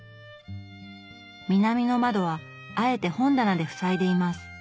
南の窓はあえて本棚で塞いでいます。